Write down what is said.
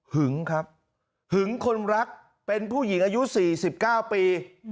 ึงครับหึงคนรักเป็นผู้หญิงอายุ๔๙ปี